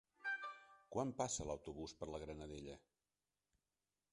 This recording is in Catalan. Quan passa l'autobús per la Granadella?